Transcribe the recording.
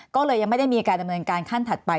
ก็เลยยังไม่ได้มีการดำเนินการขั้นถัดไป